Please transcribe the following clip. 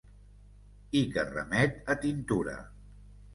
I que remet a tintura.